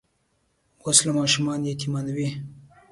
وسله ماشومان یتیمانوي